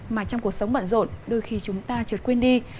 mà trong cuộc sống bận rộn đôi khi chúng ta trượt quên đi